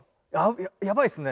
やばいですね。